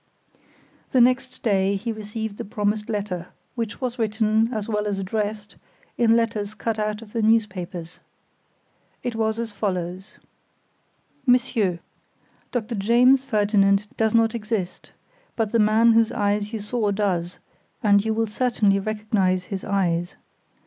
The next day, he received the promised letter, which was written, as well as addressed, in letters cut out of the newspapers. It was as follows: "MONSIEUR: Doctor James Ferdinand does not exist, but the man whose eyes you saw does, and you will certainly recognize his eyes.